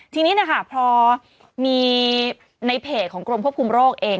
ทีนี้นะคะพอมีในเพจของกรมควบคุมโรคเอง